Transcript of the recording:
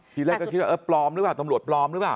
ทีแรกก็คิดว่าเออปลอมหรือเปล่าตำรวจปลอมหรือเปล่า